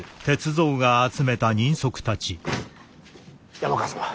山川様